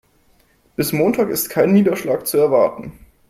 Bis Montag ist kein Niederschlag zu erwarten.